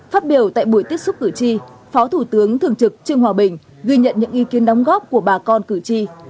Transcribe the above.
phát biểu tại buổi tiếp xúc cử tri phó thủ tướng thường trực trương hòa bình ghi nhận những ý kiến đóng góp của bà con cử tri